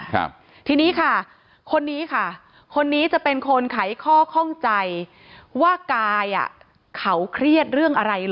ครับทีนี้ค่ะคนนี้ค่ะคนนี้จะเป็นคนไขข้อข้องใจว่ากายอ่ะเขาเครียดเรื่องอะไรเหรอ